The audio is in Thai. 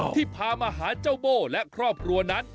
ที่พามาหาเจ้าโบ้และครอบครัวนั้น